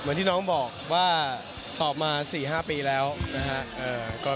ที่น้องบอกว่าตอบมา๔๕ปีแล้วนะครับ